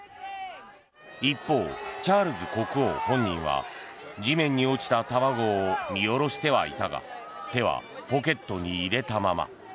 一方、チャールズ国王本人は地面に落ちた卵を見下ろしてはいたが手はポケットに入れたまま。